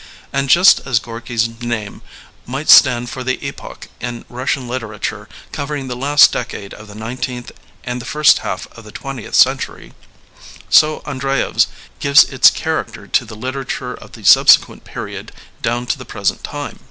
And just as Gorky's name might stand for the epoch in Russian literature covering the last decade of the nineteenth and the first half of the twentieth century, so Andreyev's gives its character to the literature of the subsequent period down to the present time.